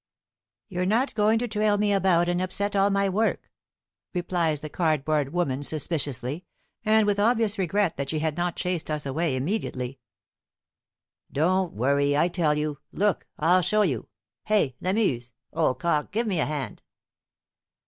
"You're not going to trail me about and upset all my work!" replies the cardboard woman suspiciously, and with obvious regret that she had not chased us away immediately. "Don't worry, I tell you. Look, I'll show you. Hey, Lamuse, old cock, give me a hand."